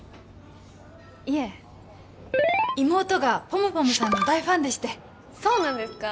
いえ妹がＰＯＭ２さんの大ファンでしてそうなんですか？